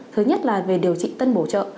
thứ nhất là về điều trị tân bổ trợ